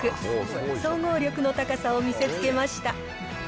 総合力の高さを見せつけました。